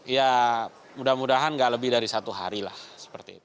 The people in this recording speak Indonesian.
ya mudah mudahan gak lebih dari satu hari lah seperti itu